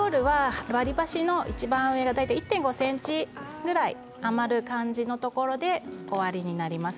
割り箸のいちばん上が１．５ｃｍくらい余る感じのところで終わりになります。